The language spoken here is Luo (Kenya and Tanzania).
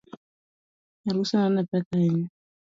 Aruseno ne pek ahinya